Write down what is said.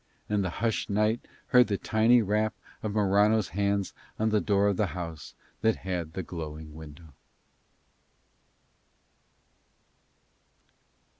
And the hushed night heard the tiny rap of Morano's hands on the door of the house that had the glowing window.